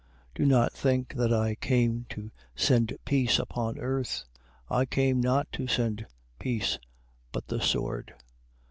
10:34. Do not think that I came to send peace upon earth: I came not to send peace, but the sword.